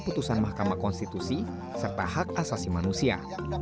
putusan mahkamah konstitusi serta hak asasi manusia